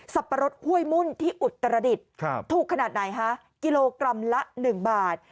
ปะรดห้วยมุ่นที่อุตรดิษฐ์ถูกขนาดไหนคะกิโลกรัมละ๑บาท